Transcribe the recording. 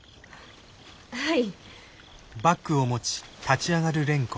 はい。